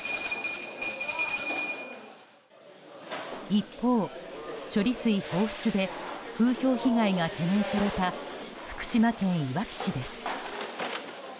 一方、処理水放出で風評被害が懸念された福島県いわき市です。